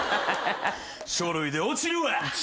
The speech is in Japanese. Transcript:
書類で落ちるわ！